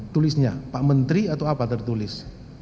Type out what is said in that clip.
tulisnya pak menteri atau apa tertulis